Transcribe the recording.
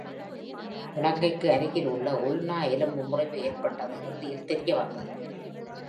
முழங்கைக்கு அருகில் உல்னா எலும்பு முறிவு ஏற்பட்டது இறுதியில் தெரியவந்தது.